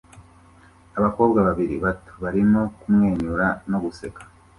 Abakobwa babiri bato barimo kumwenyura no guseka